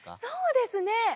そうですね